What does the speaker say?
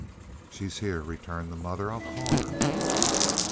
"She's here," returned the mother. "I'll call her."